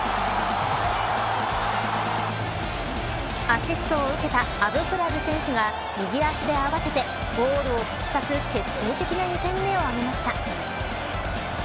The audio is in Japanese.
アシストを受けたアブフラル選手が右足で合わせてゴールを突き刺す決定的な２点目を挙げました。